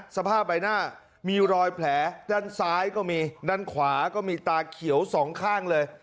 สภาพใบหน้ามีรอยแผลด้านซ้ายก็มีด้านขวาก็มีตาเขียวสองข้างเลย